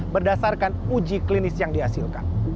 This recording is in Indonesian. berdasarkan uji klinis yang dihasilkan